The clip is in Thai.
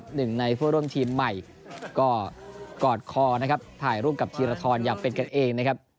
หนึ่งในผู้ร่วมทีมใหม่ก็กอดคอถ่ายรูปกับธิรทรอยาเป็นกันเอง